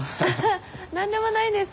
何でもないんです。